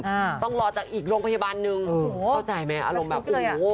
อ่าต้องรอจากอีกโรงพยาบาลหนึ่งโอ้โหเข้าใจไหมอารมณ์แบบโอ้โห